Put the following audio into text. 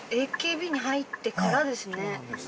ＡＫＢに入ってからですね。